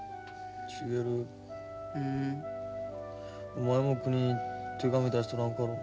お前もくにに手紙出しとらんかのう。